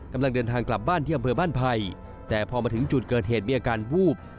กำลังเดินทางกลับบ้านที่อำเภอบ้านไผ่แต่พอมาถึงจุดเกิดเหตุมีอาการวูบ